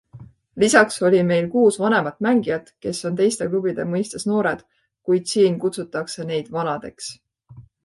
Lisaks oli meil kuus vanemat mängijat, kes on teiste klubide mõistes noored, kuid siin kutsutakse neid vanadeks.